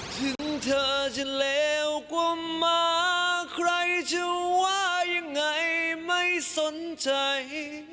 ถึงเธอจะเลวกว่ามาใครจะว่ายังไงไม่สนใจ